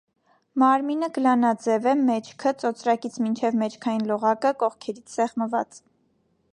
Մարմինը գլանաձև է, մեջքը (ծոծրակից մինչև մեջքային լողակը)՝ կողքերից սեղմված։